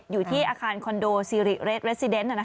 อยู่ที่อาคารคอนโดซิริเรซิเดนต์